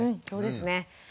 そうですね。